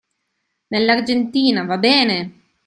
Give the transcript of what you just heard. Nell'Argentina, va bene!